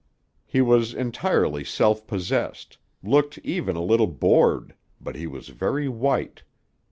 He was entirely self possessed, looked even a little bored, but he was very white.